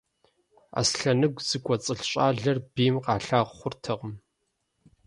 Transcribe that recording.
Аслъэныгу зыкӀуэцӀылъ щӀалэр бийм къалъагъу хъуртэкъым.